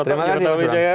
terima kasih mas jawa